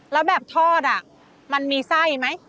แล้วแบบทอดมันมีไส้ไหม